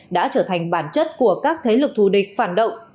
đã trở thành bản chất của các thế lực thù địch phản động